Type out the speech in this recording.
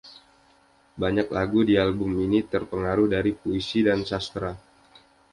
Banyak lagu di album ini terpengaruh dari puisi dan sastra.